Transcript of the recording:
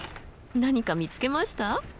何か見つけました？